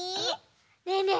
ねえねえ